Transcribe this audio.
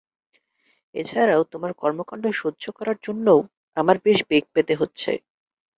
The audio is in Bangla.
এছাড়াও, তোমার কর্মকাণ্ড সহ্য করার জন্যও আমার বেশ বেগ পেতে হচ্ছে।